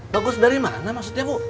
bagus dari mana maksudnya bu